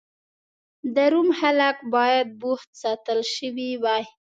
د روم خلک باید بوخت ساتل شوي وای.